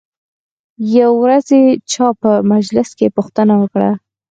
یوې ورځې چا په مجلس کې پوښتنه وکړه.